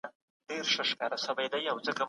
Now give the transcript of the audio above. تاسو په خپلو مسؤلیتونو کي غفلت مه کوئ.